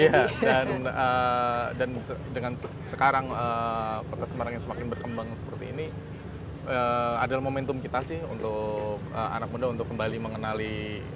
iya dan dengan sekarang kota semarang yang semakin berkembang seperti ini adalah momentum kita sih untuk anak muda untuk kembali mengenali